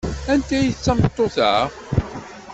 Anta ay d tameṭṭut-a?